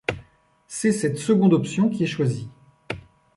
C’est cette seconde option qui est choisie.